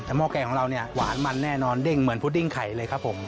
แต่หม้อแกงของเราเนี่ยหวานมันแน่นอนเด้งเหมือนพุดดิ้งไข่เลยครับผม